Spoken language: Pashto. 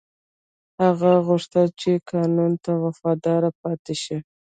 هغه غوښتل چې قانون ته وفادار پاتې شي.